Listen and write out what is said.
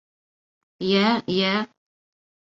— Йә, йә...